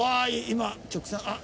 今直線あっ！